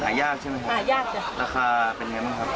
หน้ายากใช่ไหมคะราคาเป็นอย่างไรบ้างครับ